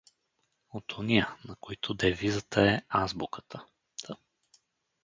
От ония, на които девизата е „азбуката“, т.